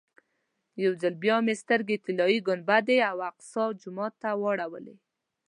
یو ځل بیا مې سترګې طلایي ګنبدې او اقصی جومات ته واړولې.